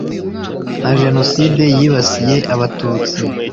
na genocide yibasiye abatutsi